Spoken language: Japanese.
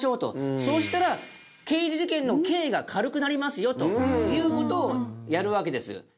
そうしたら刑事事件の刑が軽くなりますよという事をやるわけです。